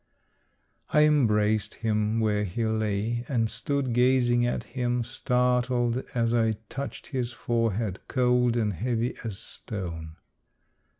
I embraced him where he lay, and stood gazing at him, startled as I touched his forehead, cold and heavy as stone.